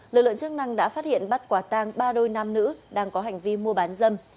lực lượng chức năng đã phát hiện bắt quả tang ba đôi nam nữ đang có hành vi mua bán dâm